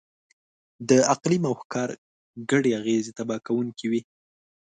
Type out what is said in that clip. د اقلیم او ښکار ګډې اغېزې تباه کوونکې وې.